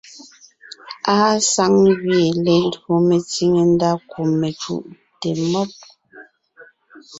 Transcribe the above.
Àa saŋ gẅie lelÿò metsìŋe ndá kú mecùʼte mɔ́b.